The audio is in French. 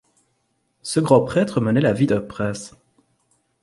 Ce grand prêtre menait la vie d'un prince.